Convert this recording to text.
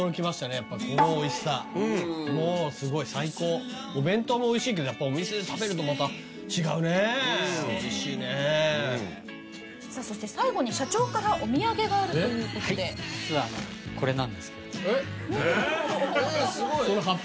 やっぱりこのおいしさもうすごい最高お弁当もおいしいけどやっぱお店で食べるとまた違うねおいしいねさあそして最後に社長からお土産があるということで実はこれなんですけどええすごいその法被？